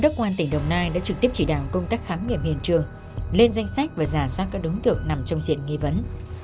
đốc công an tỉnh đồng nai đã trực tiếp chỉ đạo công tác khám nghiệm hiện trường lên danh sách và giả soát các đối tượng nằm trong diện nghi vấn